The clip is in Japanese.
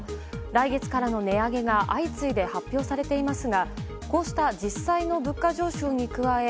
来月からの値上げが相次いで発表されていますがこうした実際の物価上昇に加え